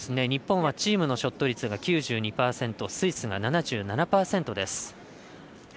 日本はチームのショット率が９２％、スイスが７７％です。